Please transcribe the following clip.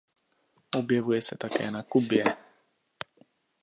Objevuje se také na Kubě.